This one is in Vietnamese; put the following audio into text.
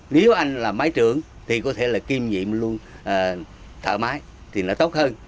nếu anh là máy trưởng thì có thể là kiêm nhiệm luôn thợ máy thì nó tốt hơn